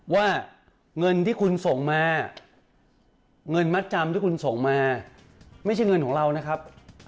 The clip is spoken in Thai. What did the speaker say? ว่าเงินที่คุณส่งมาเงินมัดจำที่คุณส่งมาไม่ใช่เงินของเรานะครับ